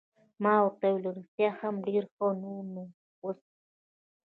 ما ورته وویل: رښتیا هم ډېر ښه، نور نو اوس.